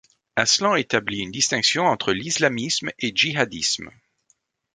Aslan établit une distinction entre l'islamisme et djihadisme.